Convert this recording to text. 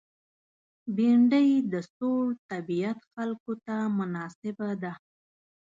بېنډۍ د سوړ طبیعت خلکو ته مناسبه ده